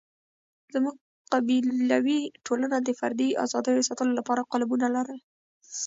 زموږ قبیلوي ټولنه د فردي آزادیو ساتلو لپاره قالبونه لرل.